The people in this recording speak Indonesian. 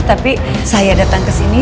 tapi saya datang ke sini